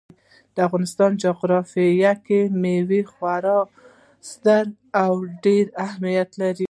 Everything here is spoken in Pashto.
د افغانستان په جغرافیه کې مېوې خورا ستر او ډېر اهمیت لري.